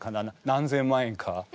何千万円か。